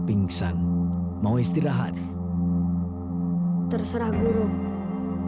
sepapi sebaiknya disini kita stuck everything pohon